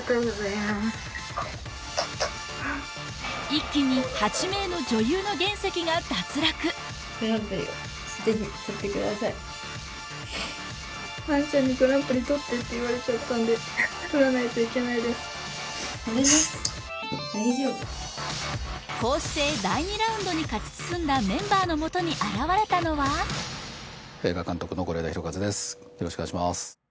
一気に８名の女優の原石が脱落花菜ちゃんにこうして第２ラウンドに勝ち進んだメンバーのもとに現れたのはよろしくお願いします